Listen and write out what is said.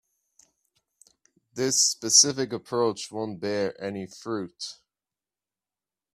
This specific approach won't bear any fruit.